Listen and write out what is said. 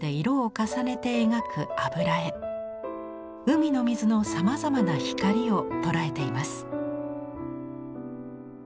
海の水のさまざまな光を捉えています。